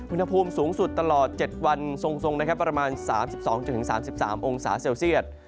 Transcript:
อุณหภูมิสูงสุดตลอด๗วันทรงนะครับประมาณ๓๒๓๓องศาเซลเซียต